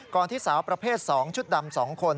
ก่อนที่สาวประเภทสองชุดดำสองคน